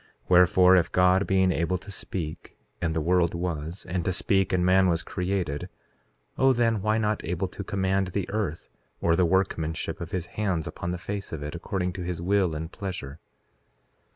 Wherefore, if God being able to speak and the world was, and to speak and man was created, O then, why not able to command the earth, or the workmanship of his hands upon the face of it, according to his will and pleasure?